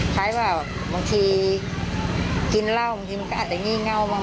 คล้ายว่าบางทีกินเหล้าบางทีมันก็อาจจะงี่เง่าบาง